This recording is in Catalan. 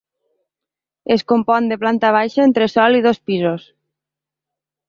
Es compon de planta baixa, entresòl i dos pisos.